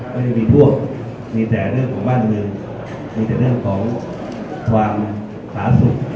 ไม่ได้มีพวกมีแต่เรื่องของบ้านเมืองมีแต่เรื่องของความสาธารณสุข